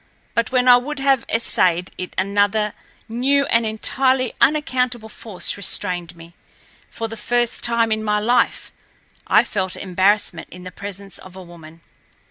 But when I would have essayed it another new and entirely unaccountable force restrained me. For the first time in my life I felt embarrassment in the presence of a woman.